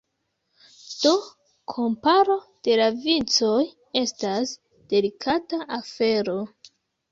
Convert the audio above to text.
Do, komparo de la vicoj estas delikata afero.